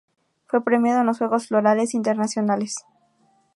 Fue premiado en los Juegos Florales Internacionales.